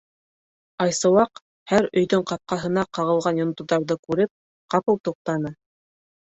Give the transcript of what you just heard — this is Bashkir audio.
Айсыуаҡ, һәр өйҙөң ҡапҡаһына ҡағылған йондоҙҙарҙы күреп, ҡапыл туҡтаны: